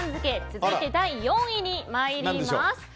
続いて、第４位に参ります。